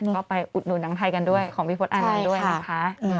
ก็ไปอุดหนุนหนังไทยกันด้วยของพี่พศอานันต์ด้วยนะคะ